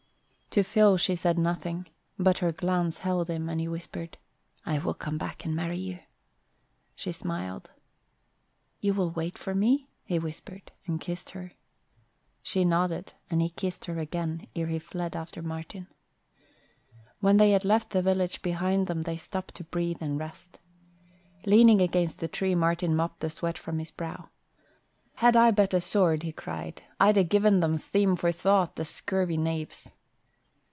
To Phil she said nothing but her glance held him, and he whispered, "I will come back and marry you." She smiled. "You will wait for me?" he whispered, and kissed her. She nodded and he kissed her again ere he fled after Martin. When they had left the village behind them they stopped to breathe and rest. Leaning against a tree, Martin mopped the sweat from his brow. "Had I but a sword," he cried, "I'd ha' given them theme for thought, the scurvy knaves!"